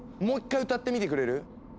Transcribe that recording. もう一回歌ってみてくれる？